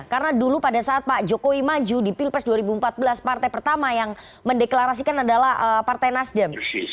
karena dulu pada saat pak jokowi maju di pilpres dua ribu empat belas partai pertama yang mendeklarasikan adalah partai nasdem